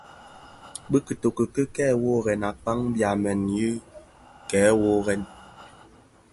Ti bitoki yi tè woworèn akpaň byamèn yiiki kè worrena,